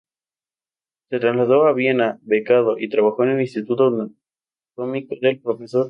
Se trasladó a Viena, becado, y trabajó en el Instituto Anatómico del Prof.